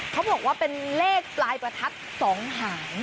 เขาบอกว่าเป็นเลขปลายประทัด๒หาง